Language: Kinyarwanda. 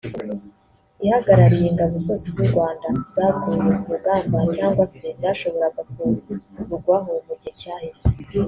ihagarariye ingabo zose z’u Rwanda zaguye ku rugamba cyangwa se zashoboraga kurugwaho mu gihe cyahise